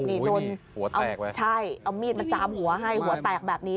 โอ้ยนี่หัวแตกไว้ใช่เอามีดมาจามหัวให้หัวแตกแบบนี้